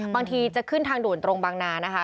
บางทีจะขึ้นทางด่วนตรงบางนานะคะ